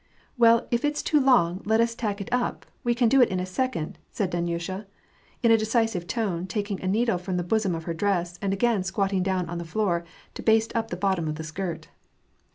'^ Well, if it's too long, then let us tack it up ; we can do it in a second," said Dunyaaha, in a decisive tone, taking a needle from the bosom of her dress, and again squatting down on the floor, to baste up the bottom of the skirt.